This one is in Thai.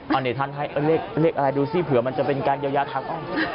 เอาหน่อยท่านให้เลขอะไรดูสิเผื่อมันจะเป็นการยาวทัก